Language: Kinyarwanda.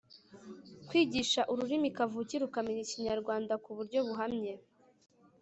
kwigisha ururimi kavukire ukamenya Ikinyarwanda ku buryo buhamye,